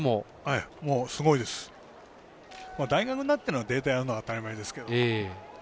大学になったらデータやるのは当たり前ですけど。